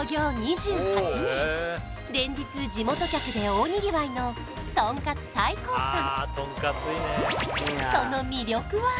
連日地元客で大にぎわいのとんかつ大晃さん